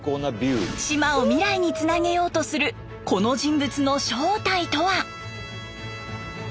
島を未来につなげようとするこの人物の正体とは？